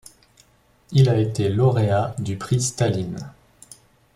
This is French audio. Il a été lauréat du prix Staline.